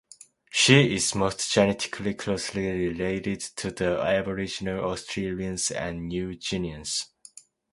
She is most (genetically) closely related to the aboriginal Australians and New Guineans.